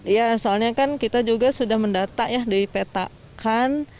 ya soalnya kan kita juga sudah mendata ya dipetakan